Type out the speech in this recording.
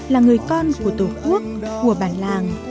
là người con của tổ quốc của bản làng